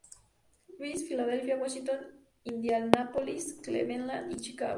Louis, Filadelfia, Washington, Indianápolis, Cleveland y Chicago.